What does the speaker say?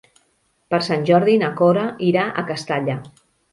Per Sant Jordi na Cora irà a Castalla.